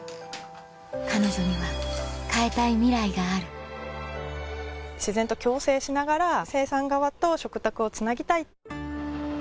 彼女には変えたいミライがある自然と共生しながら生産側と食卓をつなぎたい。